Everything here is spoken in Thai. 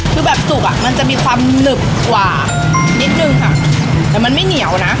คือแบบจุกอ่ะมันจะมีความหนึบกว่านิดนึงค่ะแต่มันไม่เหนียวนะ